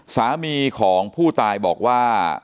สามีของผู้ตายบอกว่า